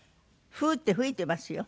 フーッて吹いてますよ。